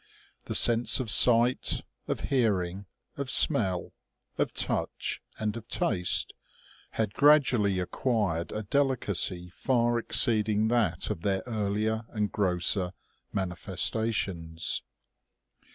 The sense of sight, of hearing, of smell, of touch, and of taste, had gradually acquired a deli cacy far exceeding that of their earlier and grosser manifesta tions.